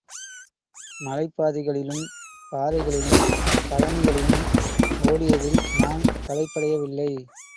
மலைப்பாதைகளிலும், பாறைகளிலும், கழனிகளிலும் ஓடியதில் மான் களைப்படையவில்லை.